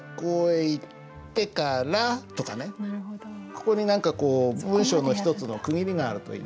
ここに何かこう文章の一つの区切りがあるといいですね。